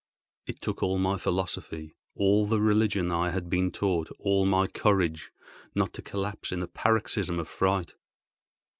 It took all my philosophy, all the religion I had been taught, all my courage, not to collapse in a paroxysm of fright.